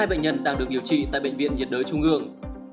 hai bệnh nhân đang được điều trị tại bệnh viện nhiệt đới trung ương